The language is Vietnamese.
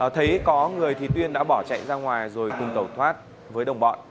thấy có người thì tuyên đã bỏ chạy ra ngoài rồi cùng cầu thoát với đồng bọn